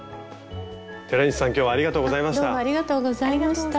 寺西さん今日はありがとうございました。